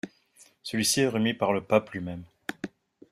Celui-ci est remis par le pape lui-même.